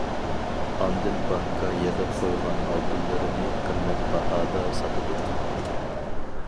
ئاندىن بانكا يىغىپ قويغان ئالتۇنلىرىنى قىممەت باھادا ساتىدۇ.